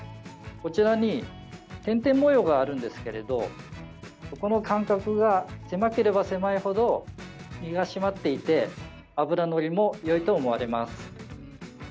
こちらに点々模様があるんですがここの間隔が狭ければ狭いほど身が締まっていて脂のりもよいと思われます。